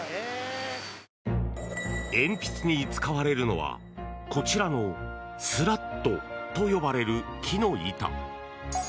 鉛筆に使われるのはこちらのスラットと呼ばれる木の板。